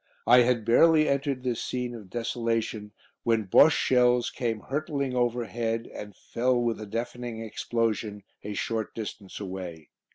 I had barely entered this scene of desolation when Bosche shells came hurtling overhead and fell with a deafening explosion a short distance away.